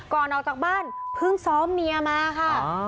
ก่อนออกจากบ้านเพิ่งซ้อมเมียมาค่ะ